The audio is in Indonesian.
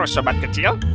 dan kau sobat kecil